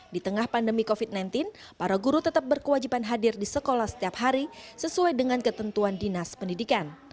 di tengah pandemi covid sembilan belas para guru tetap berkewajiban hadir di sekolah setiap hari sesuai dengan ketentuan dinas pendidikan